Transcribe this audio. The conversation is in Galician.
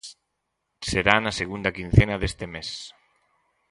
Será na segunda quincena deste mes.